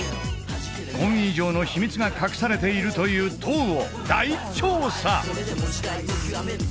コンウィ城の秘密が隠されているという塔を大調査！